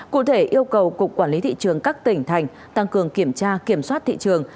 cụ thể yêu cầu cục quản lý thị trường các tỉnh thành tăng cường kiểm tra kiểm soát thị trường